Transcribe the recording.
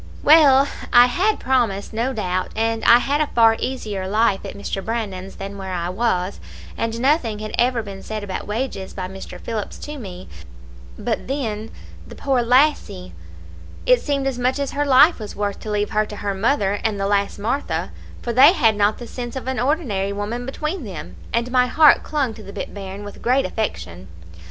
Well, I had promised, no doubt and I had a far easier life at Mr. Brandon's than where I was, and nothing had ever been said about wages by Mr. Phillips to me but then the poor little lassie, it seemed as much as her life was worth to leave her to her mother and the lass Martha, for they had not the sense of an ordinary woman between them, and my heart clung to the bit bairn with great affection.